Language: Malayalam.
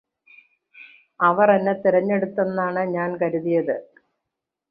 അവര് എന്നെ തിരഞ്ഞെടുത്തെന്നാണ് ഞാന് കരുതിയത്